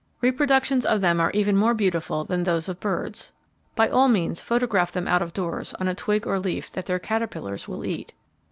Reproductions of them are even more beautiful than those of birds. By all means photograph them out of doors on a twig or leaf that their caterpillars will eat.